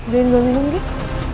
bukain dong gik